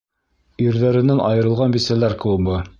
Ирҙәренән айырылған бисәләр клубы.